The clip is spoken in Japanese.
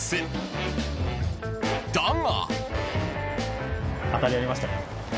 ［だが］